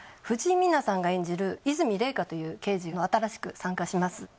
藤井美菜さんが演じる和泉玲香という刑事が新しく参加します。